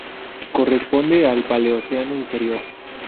Corresponde al Paleoceno inferior.